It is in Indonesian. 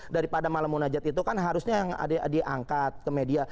daripada malam munajat itu kan harusnya yang diangkat ke media